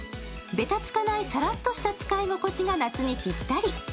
べたつかないサラッとした使い心地が夏にピッタリ。